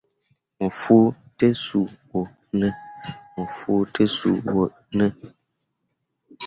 Mo fuu te zuu wo ne ?